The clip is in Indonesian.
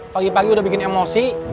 pagi pagi udah bikin emosi